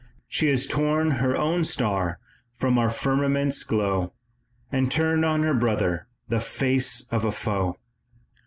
She has torn her own star from our firmament's glow, And turned on her brother the face of a foe.